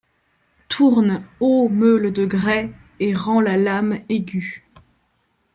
Tourne, -ô meule de grès, et rends la lame aiguë.